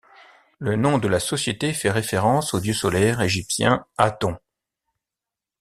Le nom de la société fait référence au dieu solaire égyptien Aton.